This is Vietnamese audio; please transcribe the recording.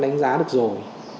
đánh giá được rồi